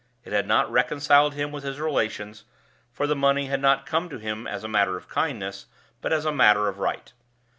It had not reconciled him with his relations, for the money had not come to him as a matter of kindness, but as a matter of right.